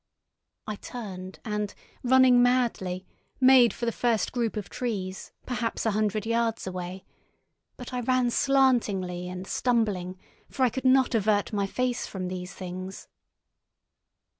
I turned and, running madly, made for the first group of trees, perhaps a hundred yards away; but I ran slantingly and stumbling, for I could not avert my face from these things.